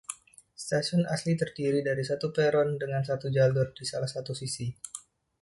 Stasiun aslinya terdiri dari satu peron dengan satu jalur di salah satu sisi.